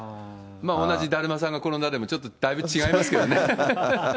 同じだるまさんがころんだでもだいぶ違いますけどね。